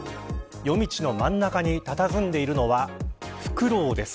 夜道の真ん中にたたずんでいるのはフクロウです。